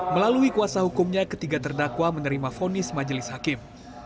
melalui kuasa hukumnya ketiga terdakwa menerima vonis majelis hakim